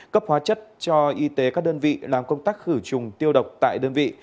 cấp hóa chất cho y tế các đơn vị làm công tác khử trùng tiêu độc tại đơn vị